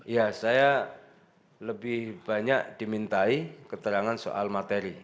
ya saya lebih banyak dimintai keterangan soal materi